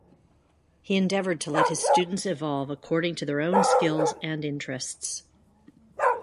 He endeavored to let his students evolve according to their own skills and interests.